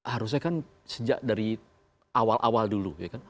harusnya kan sejak dari awal awal dulu ya kan